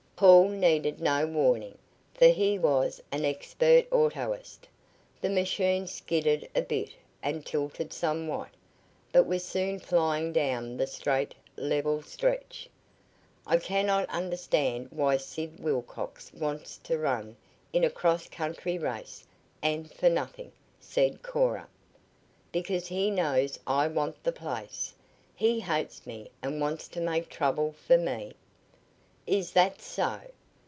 Paul needed no warning, for he was an expert autoist. The machine skidded a bit and tilted somewhat, but was soon flying down the straight, level stretch. "I cannot understand why Sid Wilcox wants to run in a cross country race and for nothing," said Cora. "Because he knows I want the place. He hates me and wants to make trouble for me." "Is that so?